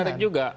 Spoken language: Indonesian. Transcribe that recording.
tapi menarik juga